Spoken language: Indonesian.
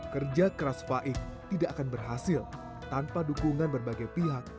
kerja keras faik tidak akan berhasil tanpa dukungan berbagai pihak